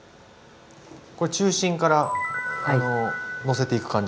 これ中心からのせていく感じなんですね。